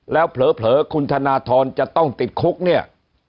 แล้วเผลอคุณธนทรจะต้องติดคุกเนี่ย